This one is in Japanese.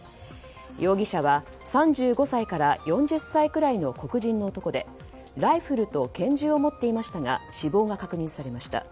容疑者は、３５歳から４０歳くらいの黒人の男でライフルと拳銃を持っていましたが死亡が確認されました。